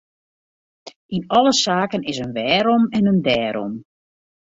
Yn alle saken is in wêrom en in dêrom.